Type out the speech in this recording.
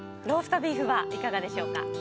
ローストビーフはいかがでしょうか。